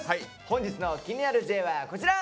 本日の「気になるＪ」はこちら！